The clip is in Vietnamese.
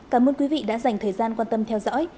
cảm ơn quý vị đã dành thời gian quan tâm theo dõi